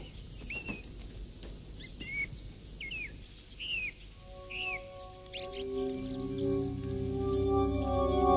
kualitasnya meliputi dengan ini